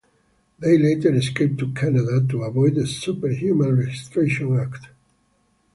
They later escape to Canada to avoid the Superhuman Registration Act.